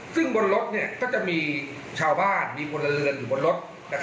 ซึ่งบนรถก็จะมีชาวบ้านมีพลเรือนอยู่บนรถ